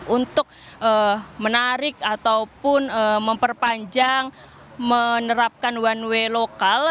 untuk menarik ataupun memperpanjang menerapkan one way lokal